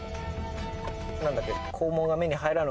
何だっけ？